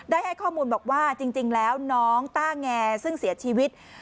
ให้ข้อมูลบอกว่าจริงแล้วน้องต้าแงซึ่งเสียชีวิต